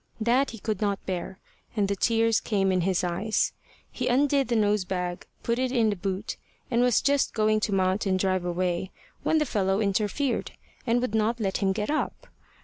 That he could not bear, and the tears came in his eyes. He undid the nose bag, put it in the boot, and was just going to mount and drive away, when the fellow interfered, and would not let him get up.